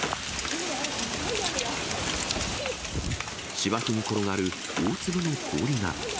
芝生に転がる大粒の氷が。